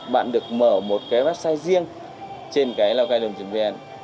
bạn được mở một cái website riêng trên lào cai đồng chính viên